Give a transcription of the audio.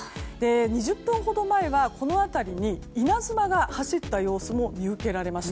２０分ほど前はこの辺りに稲妻が走った様子も見受けられました。